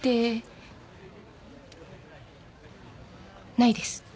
ないです。